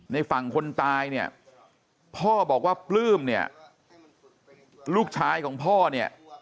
ในฝั่งคนตายเนี่ยพ่อบอกว่าปลื้มเนี่ยลูกชายของพ่อเนี่ย